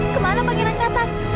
kemana pangeran katak